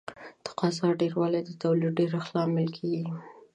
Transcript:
د تقاضا ډېروالی د تولید د ډېرښت لامل کیږي.